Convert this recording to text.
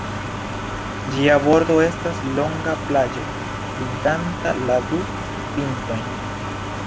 Ĝia bordo estas longa plaĝo liganta la du pintojn.